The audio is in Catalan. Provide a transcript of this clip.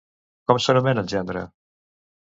Com s'anomena el gendre?